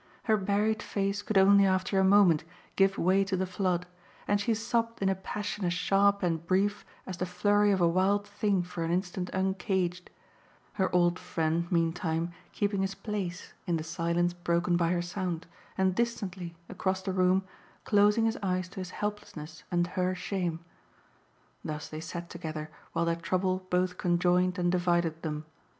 Her buried face could only after a moment give way to the flood, and she sobbed in a passion as sharp and brief as the flurry of a wild thing for an instant uncaged; her old friend meantime keeping his place in the silence broken by her sound and distantly across the room closing his eyes to his helplessness and her shame. Thus they sat together while their trouble both conjoined and divided them.